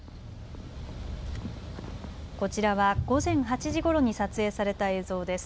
こちらは午前８時ごろに撮影された映像です。